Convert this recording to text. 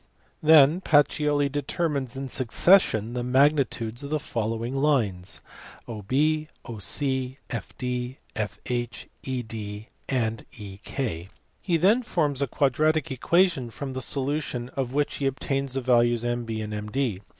Then Pacioli determines in succession the magnitudes of the following lines : (i) OB, (ii) 0(7, (iii) FD, (iv) FH, (v) ED, (vi) EK. He then forms a quadratic equation from the solution of which he obtains the values of MB and MD.